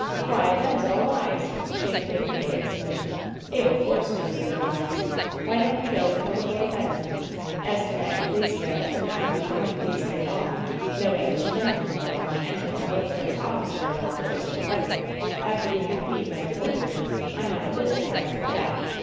"Why, themes all lies!'' she indignantly exclaimed. '^Abel Force knows they're lies ! Why don't he go and tell the boy better ? As to that Anglesea a tuming out to be no Anglesea at all, no English gentleman at all, and no military officer at all, but just a pirate, after being a thief and a forger, I'm not a bit surprised at' that.